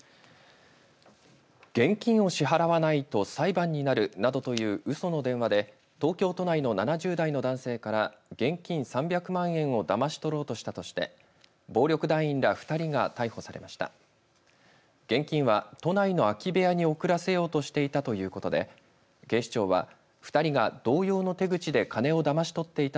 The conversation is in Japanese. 現金を支払わないと裁判になるなどといううその電話で東京都内の７０代の男性から現金３００万円をだまし取ろうとしたとして暴力団員ら２人が逮捕されました。